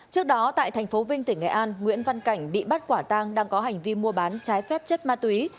trước đó tại thành phố vinh tỉnh nghệ an nguyễn văn cảnh bị bắt quả tang đang có hành vi mua bán trái phép chất ma túy